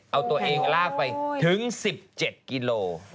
เอาตัวเองลากไปถึง๑๗กิโล